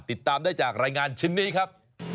ติดตามได้จากรายงานชิ้นนี้ครับ